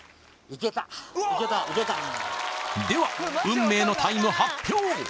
いけたでは運命のタイム発表！